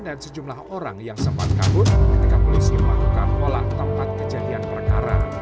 dan sejumlah orang yang sempat kabut ketika polisi melakukan olah tempat kejadian perkara